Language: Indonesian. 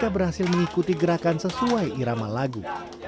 bergerakan sesuai irama lagu